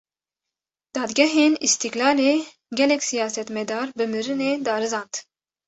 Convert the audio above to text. Dadgehên Îstîklalê, gelek siyasetmedar bi mirinê darizand